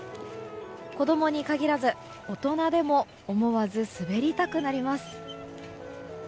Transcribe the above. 子供に限らず、大人でも思わず滑りたくなります。